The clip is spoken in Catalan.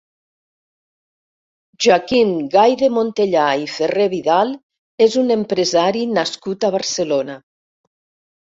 Joaquim Gay de Montellà i Ferrer-Vidal és un empresari nascut a Barcelona.